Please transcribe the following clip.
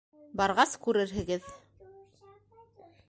- Барғас, күрерһегеҙ.